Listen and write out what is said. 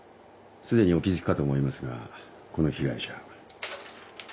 既にお気付きかと思いますがこの被害者。